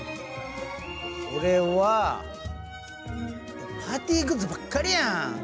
俺はパーティーグッズばっかりやん！